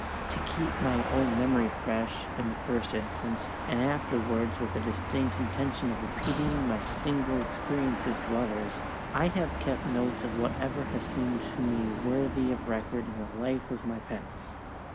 To keep my own memory fresh, in the first instance, and afterwards with a distinct intention of repeating my single experiences to others, I have kept notes of whatever has seemed to me worthy of record in the life of my pets.